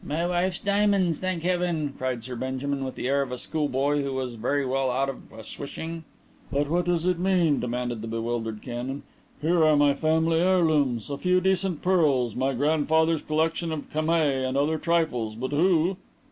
"My wife's diamonds, thank heaven!" cried Sir Benjamin, with the air of a schoolboy who was very well out of a swishing. "But what does it mean?" demanded the bewildered canon. "Here are my family heirlooms a few decent pearls, my grandfather's collection of camei and other trifles but who